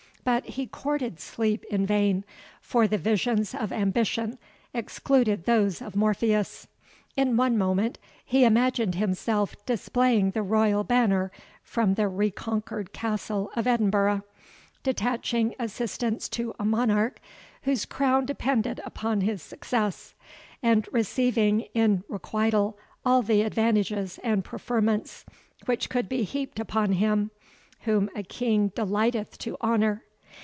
But he courted sleep in vain, for the visions of ambition excluded those of Morpheus. In one moment he imagined himself displaying the royal banner from the reconquered Castle of Edinburgh, detaching assistance to a monarch whose crown depended upon his success, and receiving in requital all the advantages and preferments which could be heaped upon him whom a king delighteth to honour.